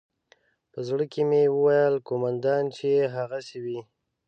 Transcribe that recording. په زړه کښې مې وويل قومندان چې يې هغسې وي.